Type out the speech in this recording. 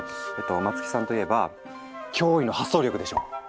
松木さんといえば驚異の発想力でしょ！